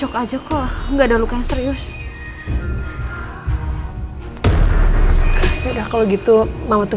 oke makasih emang